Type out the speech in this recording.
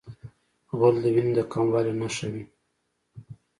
غول د وینې د کموالي نښه وي.